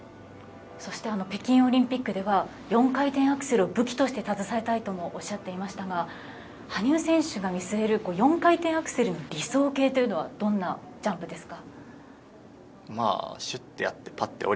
そして、北京オリンピックでは４回転アクセルを武器として携えたいともおっしゃってましたが羽生選手が見据える４回転アクセルの理想形というのはどんなジャンプですか。